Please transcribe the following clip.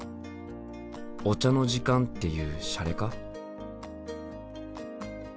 お茶の時間っていうシャレか？